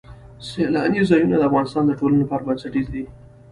سیلاني ځایونه د افغانستان د ټولنې لپاره بنسټیز دي.